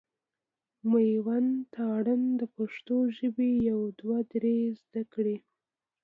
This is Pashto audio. مېوند تارڼ د پښتو ژبي يو دوه درې زده کړي.